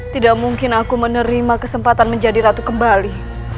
tidak mungkin aku menerima kesempatan menjadi ratu kembali